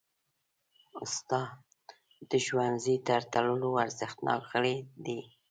استاد د ښوونځي تر ټولو ارزښتناک غړی دی.